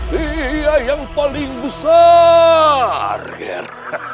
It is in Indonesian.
dia yang paling besar target